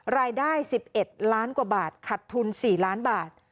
รายได้๑๑ล้านกว่าบาทขัดทุน๔ล้านบาท